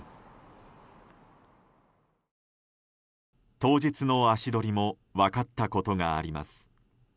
当日の足取りも分かったことがあります。